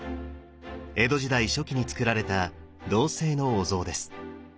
江戸時代初期につくられた銅製のお像です。